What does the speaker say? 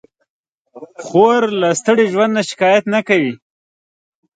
خور له ستړي ژوند نه شکایت نه کوي.